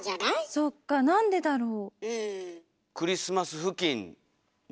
そっかなんでだろう？